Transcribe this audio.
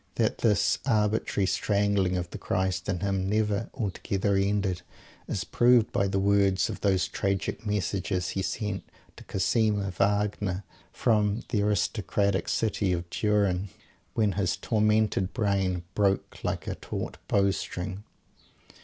That this arbitrary strangling of the Christ in him never altogether ended, is proved by the words of those tragic messages he sent to Cosima Wagner from "the aristocratic city of Turin" when his tormented brain broke like a taut bow string.